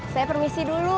saya permisi dulu